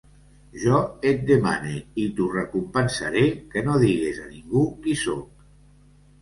Jo et demane, i t’ho recompensaré, que no digues a ningú qui soc.